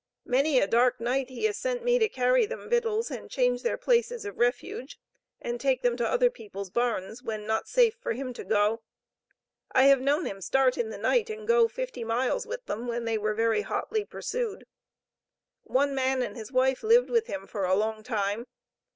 Many a dark night he has sent me to carry them victuals and change their places of refuge, and take them to other people's barns, when not safe for him to go. I have known him start in the night and go fifty miles with them, when they were very hotly pursued. One man and his wife lived with him for a long time.